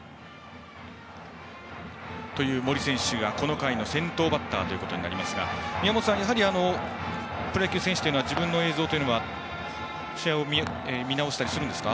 という森選手がこの回の先頭バッターとなりますが宮本さん、やはりプロ野球選手は自分の映像など試合を見直したりはするんですか。